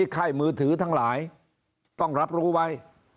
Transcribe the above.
ค่ายมือถือทั้งหลายต้องรับรู้ไว้